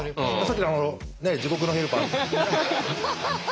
さっきの地獄のヘルパー。